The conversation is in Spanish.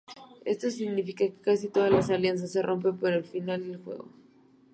Esto significa que casi todas las alianzas se rompen por el final del juego.